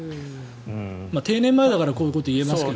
定年前だからこういうことが言えますけど。